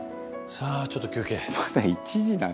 さあちょっと休憩。